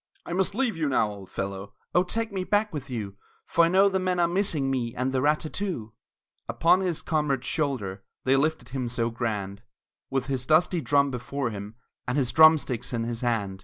"I must leave you now, old fellow!" "Oh, take me back with you, For I know the men are missing me And the rat tat too!" Upon his comrade's shoulder They lifted him so grand, With his dusty drum before him, And his drumsticks in his hand!